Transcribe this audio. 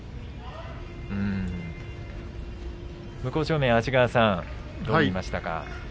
向正面の安治川さんどう見ましたか？